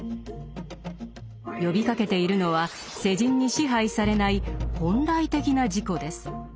呼びかけているのは世人に支配されない「本来的な自己」です。